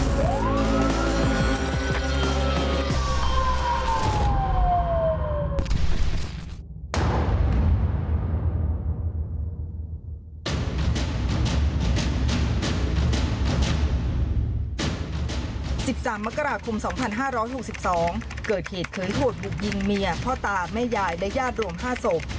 ๑๓มกราคม๒๕๖๒เกิดเหตุเขินโหดบุกยิงเมียพ่อตาแม่ยายและญาติรวม๕ศพ